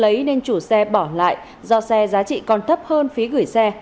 lấy nên chủ xe bỏ lại do xe giá trị còn thấp hơn phí gửi xe